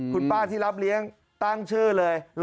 คุณป้าที่รับเลี้ยงตั้งชื่อเลย